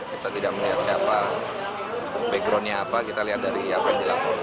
kita tidak melihat siapa backgroundnya apa kita lihat dari apa yang dilaporkan